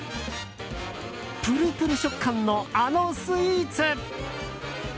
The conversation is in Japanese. プルプル食感の、あのスイーツ。